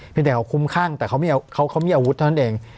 เป็นแต่เขาคุ้มข้างแต่เขามีอาวุธเท่านั้นเอง